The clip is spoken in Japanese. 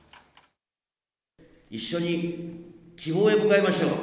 一緒に希望へ向かいましょう。